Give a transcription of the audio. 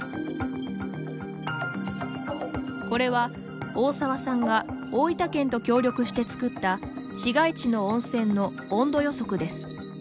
これは大沢さんが大分県と協力して作った市街地の温泉の温度予測です。